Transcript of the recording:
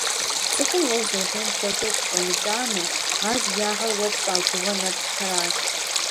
Цӏыхур уэ узэрыхуейм хуэдэу къыщӏэмыкӏамэ, ар зи ягъэр уэ пщӏа гугъэ нэпцӏхэращ.